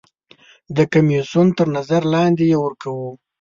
د کمیسیون تر نظر لاندې یې ورکوو.